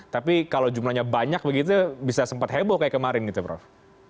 tapi kalau jumlahnya banyak begitu bisa sempat heboh kayak kemarin gitu prof